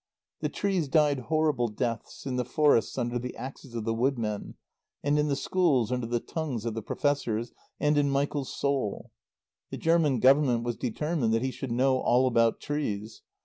The trees died horrible deaths, in the forests under the axes of the woodmen, and in the schools under the tongues of the Professors, and in Michael's soul. The German Government was determined that he should know all about trees.